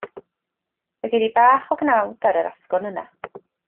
Fe gei di bach o gnawd ar yr esgyrn yna.